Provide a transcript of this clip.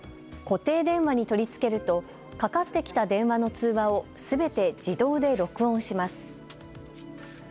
固定電話に取り付けるとかかってきた電話の通話をすべて自動で録音します。